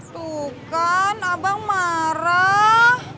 tuh kan abang marah